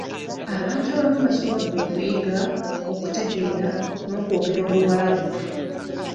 Abantu abamu basobodde okuyiga, okutegeera n'okwogera Oluwalabu.